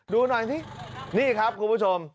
ดูหน่อยสินี่ครับคุณผู้ชม